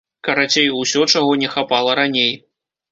Карацей, усё, чаго не хапала раней.